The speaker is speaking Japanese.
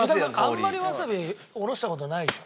あんまりわさびおろした事ないでしょ？